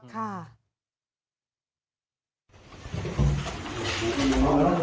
กลมือขึ้นครับลุงครับ